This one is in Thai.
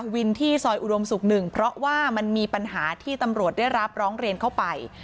วินที่ซอยอุดมศุกร์๑เพราะว่ามันมีปัญหาที่ตำรวจได้รับร้องเรียนเข้าไป